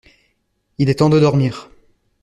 Il est temps de dormir.